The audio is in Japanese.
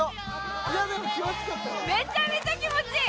めちゃめちゃ気持ちいい！